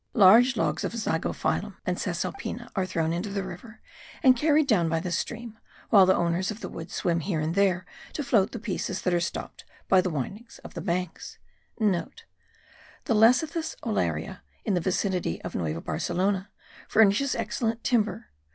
Large logs of zygophyllum and caesalpinia* are thrown into the river and carried down by the stream, while the owners of the wood swim here and there to float the pieces that are stopped by the windings of the banks. (* The Lecythis ollaria, in the vicinity of Nueva Barcelona, furnishes excellent timber.